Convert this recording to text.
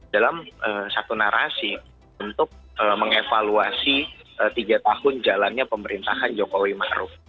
dalam satu narasi untuk mengevaluasi tiga tahun jalannya pemerintahan jokowi ma'ruf